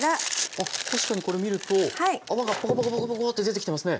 あっ確かにこれ見ると泡がポコポコポコポコって出てきてますね。